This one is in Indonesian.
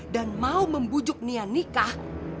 dan mau membujuk nia nikah